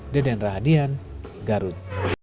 deden rahadian garut